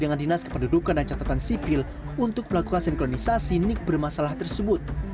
dengan dinas kependudukan dan catatan sipil untuk melakukan sinkronisasi nik bermasalah tersebut